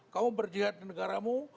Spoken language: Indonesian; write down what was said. kamu berjihad di negaramu